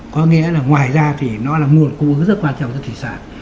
có nghĩa là ngoài ra thì nó là nguồn cung rất quan trọng cho thủy sản